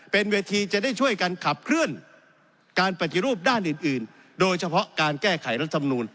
เป็นเวทีจะได้ช่วยกันขับเคลื่อนการปฏิรูปด้านอื่นโดยเฉพาะการแก้ไขรัฐมนูล